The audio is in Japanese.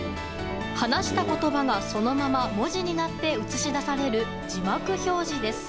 話した言葉がそのまま文字になって映し出される字幕表示です。